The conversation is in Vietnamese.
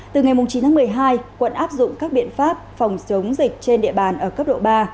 từ ngày chín tháng một mươi hai quận áp dụng các biện pháp phòng chống dịch trên địa bàn ở cấp độ ba